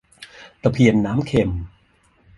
ตะเพียนน้ำเค็ม